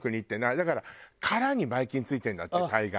だから殻にばい菌付いてるんだって大概。